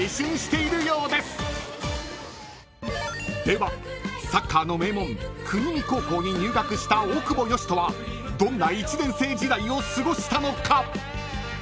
［ではサッカーの名門国見高校に入学した大久保嘉人はどんな１年生時代を過ごしたのか？］